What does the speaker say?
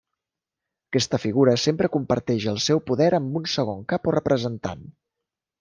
Aquesta figura sempre comparteix el seu poder amb un segon cap o representant.